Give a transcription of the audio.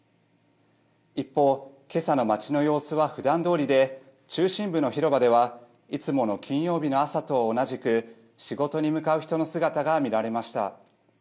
一方、今朝の街の様子はふだんどおりで中心部の広場ではいつもの金曜日の朝と同じく仕事に向かう人の姿が見られました。